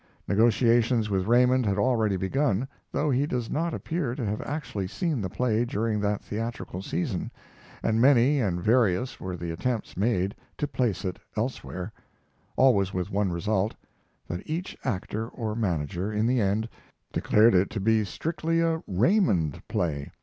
Negotiations with Raymond had already begun, though he does not appear to have actually seen the play during that theatrical season, and many and various were the attempts made to place it elsewhere; always with one result that each actor or manager, in the end, declared it to be strictly a Raymond play.